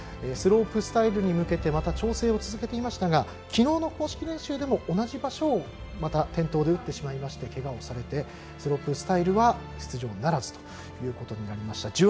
スロープスタイルに向けてまた調整を続けていましたが昨日の公式練習でも同じ場所を転倒で打ってしまいけがをされてスロープスタイルは出場ならずということになりました。